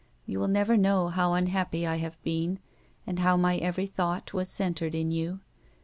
You will never know how unhappy I have been and how my every thought was centred in you.